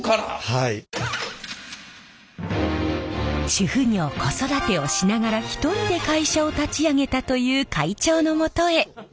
主婦業子育てをしながら一人で会社を立ち上げたという会長のもとへ。